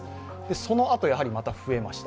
そのあと、やはりまた増えました。